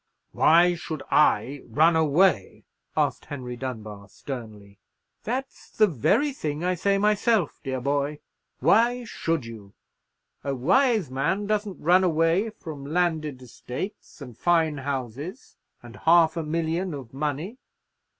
"Why should I run away?" asked Henry Dunbar, sternly. "That's the very thing I say myself, dear boy. Why should you? A wise man doesn't run away from landed estates, and fine houses, and half a million of money.